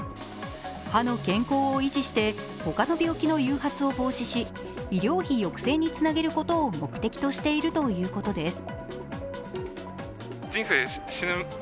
歯の健康を維持して他の病気の誘発を防止し医療費抑制につなげることを目的としているということです。